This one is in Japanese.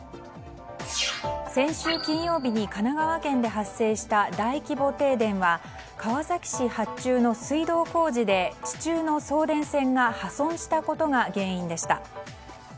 先週金曜日に神奈川県で発生した大規模停電は川崎市発注の水道工事で地中の送電線が破損したことが原因でした。